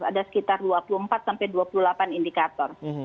ada sekitar dua puluh empat sampai dua puluh delapan indikator